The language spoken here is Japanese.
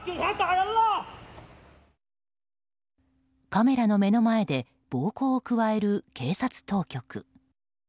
カメラの目の前で暴行を加える警察当局。